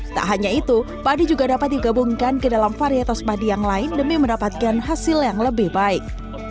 tak hanya itu padi juga dapat digabungkan ke dalam varietas padi yang lain demi mendapatkan hasil yang lebih baik